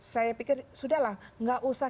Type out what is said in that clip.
saya pikir sudah lah nggak usah